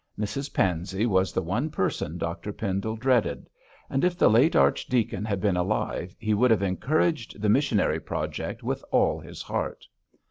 Mrs Pansey was the one person Dr Pendle dreaded, and if the late archdeacon had been alive he would have encouraged the missionary project with all his heart.